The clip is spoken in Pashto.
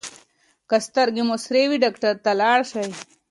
که سترګې مو سرې وي ډاکټر ته لاړ شئ.